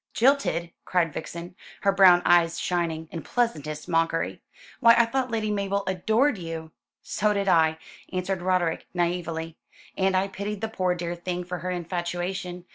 "Jilted!" cried Vixen, her big brown eyes shining, in pleasantest mockery. "Why I thought Lady Mabel adored you?" "So did I," answered Roderick naïvely, "and I pitied the poor dear thing for her infatuation.